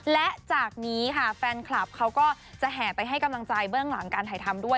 และจากนี้ค่ะแฟนคลับเขาก็จะแห่ไปให้กำลังใจเบื้องหลังการถ่ายทำด้วย